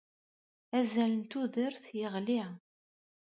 Azal n tudert yeɣli.